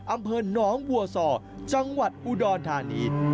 อำเภอหนองบัวซอจังหวัดอุดรธานี